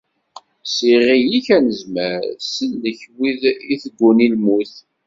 S yiɣil-ik anezmar, sellek wid i tegguni lmut!